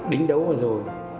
đính đấu rồi